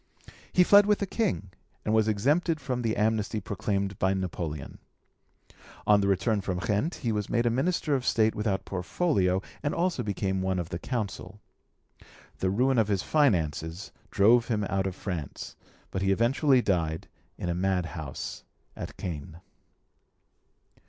He fled with the King, and was exempted from the amnesty proclaimed by Napoleon. On the return from Ghent he was made a Minister of State without portfolio, and also became one of the Council. The ruin of his finances drove him out of France, but he eventually died in a madhouse at Caen.